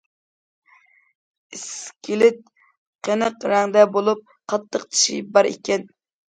ئىسكىلىت قېنىق رەڭدە بولۇپ، قاتتىق چىشى بار ئىكەن.